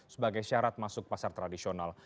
sebagai syarat masuk pasar tradisional